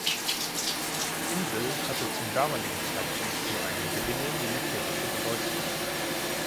Die Insel hatte zum damaligen Zeitpunkt nur eine geringe militärische Bedeutung.